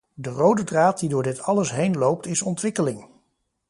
De rode draad die door dit alles heen loopt is ontwikkeling.